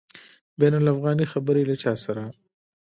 بین الافغاني خبري له چا سره؟